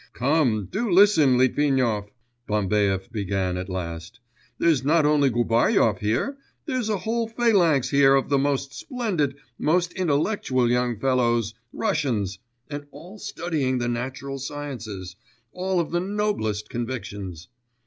'Come, do listen, Litvinov,' Bambaev began at last, 'there's not only Gubaryov here, there's a whole phalanx here of the most splendid, most intellectual young fellows, Russians and all studying the natural sciences, all of the noblest convictions!